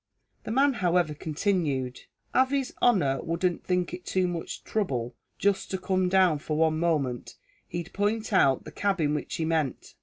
The man, however, continued, "av his honer wouldn't think it too much throuble jist to come down for one moment, he'd point out the cabin which he meant."